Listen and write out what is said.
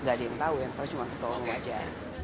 nggak ada yang tahu yang tahu cuma ketua umum aja